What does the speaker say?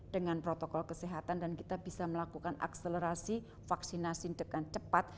dengan protokol kesehatan dan kita bisa melakukan akselerasi vaksinasi dengan cepat